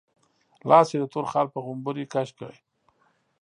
لاس يې د تور خال په غومبري کش کړ.